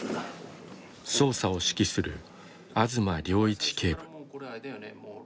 捜査を指揮する我妻良一警部。